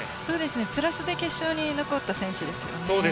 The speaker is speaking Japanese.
プラスで決勝に残った選手ですよね。